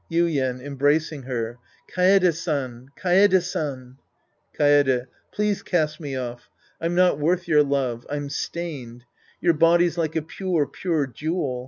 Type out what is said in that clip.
Yuien {embracing her). Kaede San, Kaede San. Kaede. Please cast me off. I'm not worth your love. I'm stained. Your body's like a pure, pure Jewel.